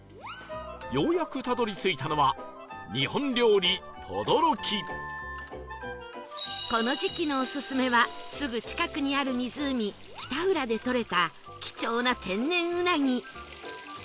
ようやくたどり着いたのはこの時期のオススメはすぐ近くにある湖北浦でとれた貴重な天然うなぎ